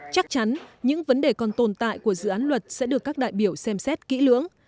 chắc chắn những vấn đề còn tồn tại của dự án luật sẽ được các đại biểu xem xét kỹ lưỡng